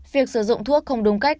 việc sử dụng thuốc không đúng cách